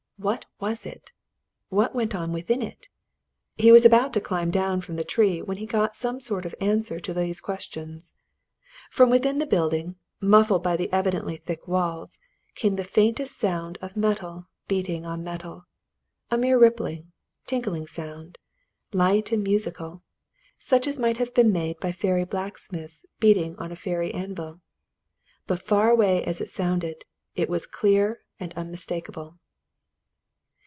What was it? What went on within it? He was about to climb down from the tree when he got some sort of an answer to these questions. From within the building, muffled by the evidently thick walls, came the faintest sound of metal beating on metal a mere rippling, tinkling sound, light and musical, such as might have been made by fairy blacksmiths beating on a fairy anvil. But far away as it sounded, it was clear and unmistakable.